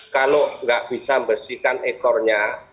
kalau enggak bisa bersihkan ekornya